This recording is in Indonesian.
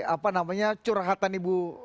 apa namanya curhatan ibu